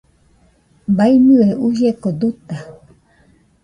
Baiñɨe uieko duta